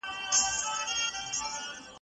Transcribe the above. د ښووني پوهنځۍ په خپلسري ډول نه ویشل کیږي.